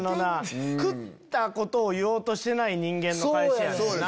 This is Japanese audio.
食ったことを言おうとしてない人間の返しやねんな。